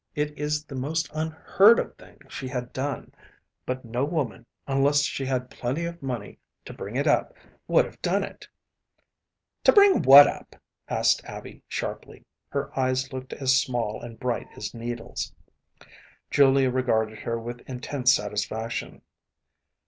It is the most unheard of thing she had done; but no woman, unless she had plenty of money to bring it up, would have done it.‚ÄĚ “To bring what up?‚ÄĚ asked Abby, sharply. Her eyes looked as small and bright as needles. Julia regarded her with intense satisfaction.